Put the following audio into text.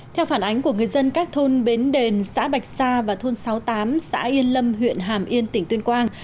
theo phản ánh của người dân các thôn bến đền xã bạch sa và thôn sáu mươi tám xã yên lâm huyện hàm yên tỉnh tuyên quang